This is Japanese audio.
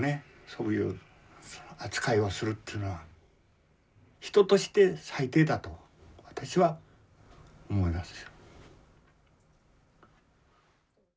そういう扱いをするっていうのは人として最低だと私は思います。